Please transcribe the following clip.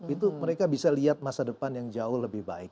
itu mereka bisa lihat masa depan yang jauh lebih baik